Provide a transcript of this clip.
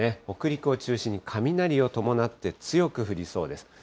北陸を中心に雷を伴って、強く降りそうです。